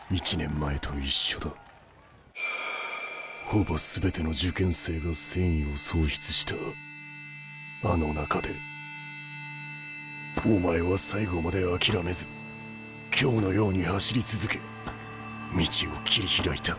ほぼ全ての受験生が戦意を喪失したあの中でお前は最後まで諦めず今日のように走り続け道を切り開いた。